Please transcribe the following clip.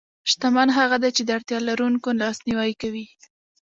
شتمن هغه دی چې د اړتیا لرونکو لاسنیوی کوي.